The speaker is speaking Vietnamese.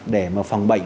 để mà phòng bệnh